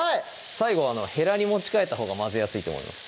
最後ヘラに持ち替えたほうが混ぜやすいと思います